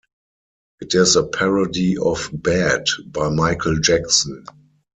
It is a parody of "Bad" by Michael Jackson.